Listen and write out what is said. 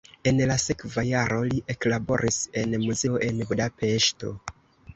En la sekva jaro li eklaboris en muzeo en Budapeŝto.